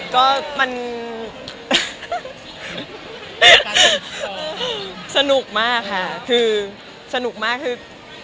ก็มันสนุกมากค่ะคือสนุกมากคือ